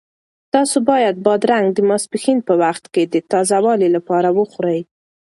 تاسو باید بادرنګ د ماسپښین په وخت کې د تازه والي لپاره وخورئ.